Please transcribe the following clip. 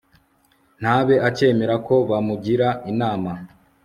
ntabe acyemera ko bamugira inama